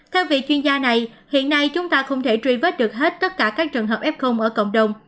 theo vị chuyên gia này hiện nay chúng ta không thể truy vết được hết tất cả các trường hợp f ở cộng đồng